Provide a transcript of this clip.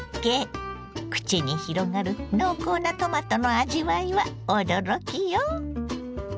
口に広がる濃厚なトマトの味わいは驚きよ。